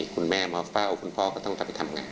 คุณแม่มาเฝ้าคุณพ่อก็ต้องกลับไปทำงาน